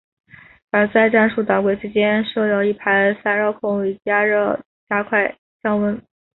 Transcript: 而在战术导轨之间设有一排散热孔以加快降温。